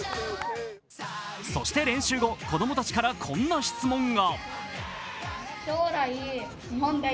そして練習後、子供たちからこんな質問が。